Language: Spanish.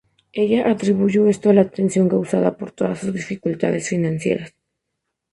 Ella atribuyó esto a la tensión causada por todas sus dificultades financieras.